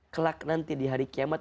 kelak nanti di hari kiamat